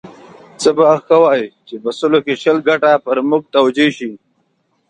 څه به ښه وای چې په سلو کې شل ګټه پر موږ توجیه شي.